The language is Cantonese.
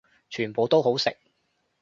全部都好食